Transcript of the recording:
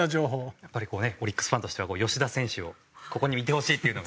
やっぱりこうねオリックスファンとしては吉田選手をここにいてほしいっていうのが。